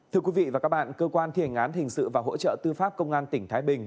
thưa quý vị và các bạn cơ quan thi hành án hình sự và hỗ trợ tư pháp công an tỉnh thái bình